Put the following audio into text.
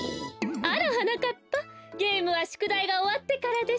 あらはなかっぱゲームはしゅくだいがおわってからでしょ。